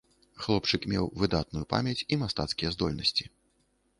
Хлопчык меў выдатную памяць і мастацкія здольнасці.